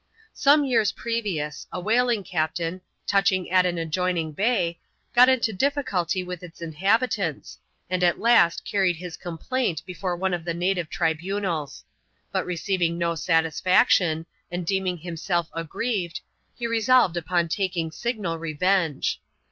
Some years previous, a whaling captain, touching at an ad joining bay, got into difficulty with its inhabitants, and at last carried his complaint before one of the native tribunals ; but receiving no satisfaction, and deeming himself aggrieved, he resolved upon taking signal revenge.